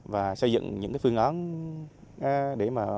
và xây dựng những phương án để mà